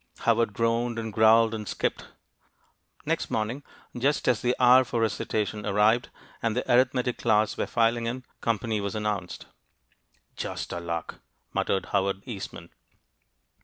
Howard groaned, and growled, and "skipped." Next morning, just as the hour for recitation arrived, and the arithmetic class were filing in, company was announced. "Just our luck!" muttered Howard Eastman.